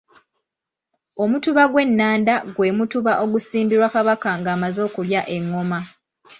Omutuba gw’ennanda gwe mutuba ogusimbirwa Kabaka ng'amaze okulya engoma.